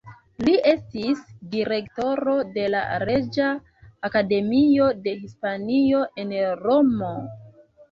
Li estis Direktoro de la Reĝa Akademio de Hispanio en Romo.